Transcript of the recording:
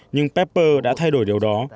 nhưng pepper đã thay đổi điều đó